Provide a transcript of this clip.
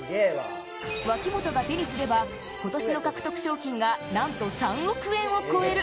脇本が手にすれば、今年の獲得賞金がなんと３億円を超える。